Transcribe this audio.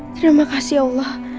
terima kasih ya allah